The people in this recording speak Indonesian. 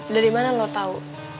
dari mana lo tau